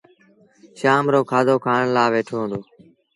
شآم رو کآڌو کآڻ لآ ويٺو هُݩدو